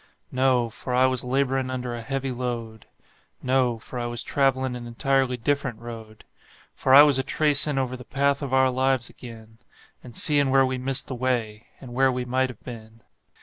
No for I was laborin' under a heavy load; No for I was travelin' an entirely different road; For I was a tracin' over the path of our lives ag'in, And seein' where we missed the way, and where we might have been.